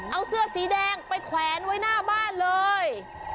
เอาเสื้อสีแดงไปแขวนไว้หน้าบ้านเลย